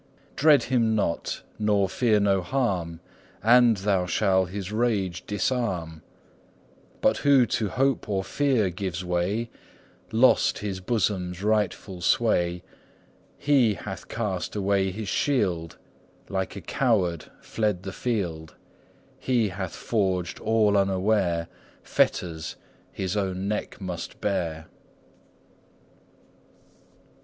Dread him not, nor fear no harm, And thou shall his rage disarm; But who to hope or fear gives way Lost his bosom's rightful sway He hath cast away his shield, Like a coward fled the field; He hath forged all unaware Fetters his own neck must bear!